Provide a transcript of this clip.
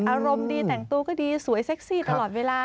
อารมณ์ดีแต่งตัวก็ดีสวยเซ็กซี่ตลอดเวลา